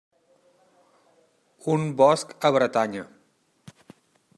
Un bosc a Bretanya.